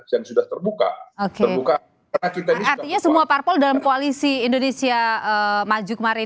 yang sudah terbuka terbuka artinya semua parpol dalam koalisi indonesia maju kemarin